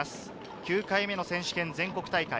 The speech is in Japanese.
９回目の選手権全国大会。